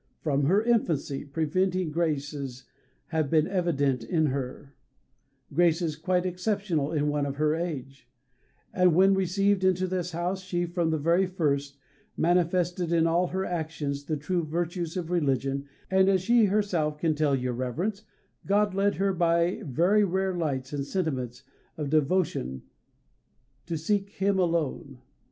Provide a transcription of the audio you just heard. From her infancy, preventing graces have been evident in her graces quite exceptional in one of her age; and when received into this house she, from the very first, manifested in all her actions the true virtues of religion, and as she can herself tell your Reverence, God led her by very rare lights and sentiments of devotion to seek Him alone.